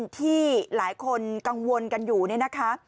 ที่หลายคนกังวลกันอยู่เนี่ยนะคะ